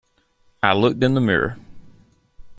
I looked in the mirror.